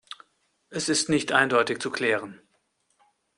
Es ist nicht eindeutig zu klären.